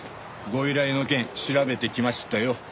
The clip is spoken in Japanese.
ご依頼の件調べてきましたよ。